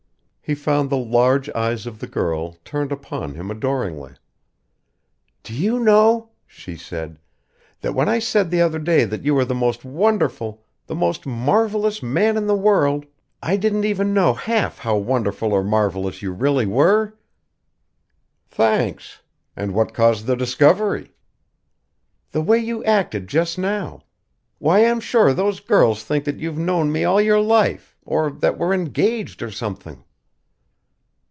He found the large eyes of the girl turned upon him adoringly. "Do you know," she said, "that when I said the other day that you were the most wonderful, the most marvelous man in the world, I didn't even know half how wonderful or marvelous you really were?" "Thanks! And what caused the discovery?" "The way you acted just now. Why, I'm sure those girls think that you've known me all your life or that we're engaged, or something!"